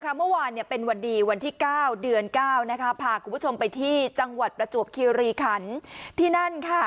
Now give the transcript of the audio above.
ค่ะเมื่อวานเนี้ยเป็นวันดีวันที่เก้าเดือนเก้านะคะพาคุณผู้ชมไปที่จังหวัดประจวบเครียรีขันที่นั่นค่ะ